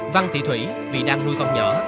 văn thị thủy vì đang nuôi con nhỏ